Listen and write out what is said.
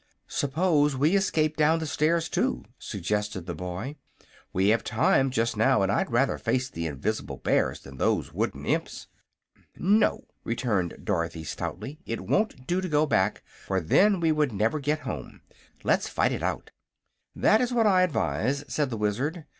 "Suppose we escape down the stairs, too," suggested the boy. "We have time, just now, and I'd rather face the invis'ble bears than those wooden imps." "No," returned Dorothy, stoutly, "it won't do to go back, for then we would never get home. Let's fight it out." "That is what I advise," said the Wizard.